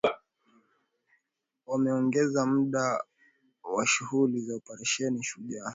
Wameongeza muda wa shughuli za Operesheni Shujaa